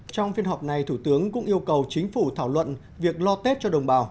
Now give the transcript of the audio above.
trong phiên họp này thủ tướng cũng yêu cầu chính phủ thảo luận việc lo tết cho đồng bào